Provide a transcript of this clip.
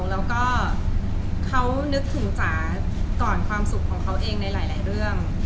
แล้วก็เขานึกถึงจ๋าก่อนความสุขของเขาเองในหลายเรื่อง